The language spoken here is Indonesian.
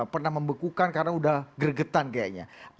pernah membekukan karena udah gregetan kayaknya